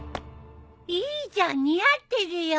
いいじゃん似合ってるよ。